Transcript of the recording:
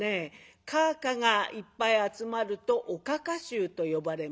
かあかがいっぱい集まるとおかか衆と呼ばれます。